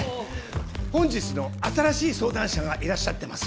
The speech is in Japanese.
本日の新しい相談者がいらっしゃってます。